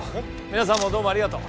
皆さんもどうもありがとう。